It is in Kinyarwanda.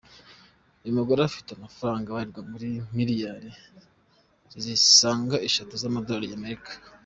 Uyu mugore afite amafaranga abarirwa muri miliyari zisaga eshatu z’amadorali ya Amerika.